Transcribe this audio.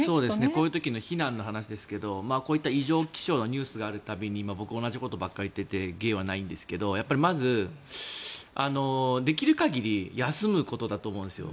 こういう時の避難の話ですがこういった異常気象のニュースがある度に僕は同じことばかり言っていて芸はないんですがまずできる限り休むことだと思うんですよ。